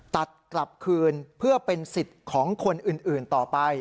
ตัดกลับคืนเพื่อเป็นสิทธิ์ของคนอื่นต่อไป